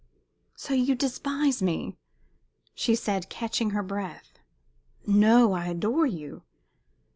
"So you despise me?" she said, catching her breath. "No. I adore you."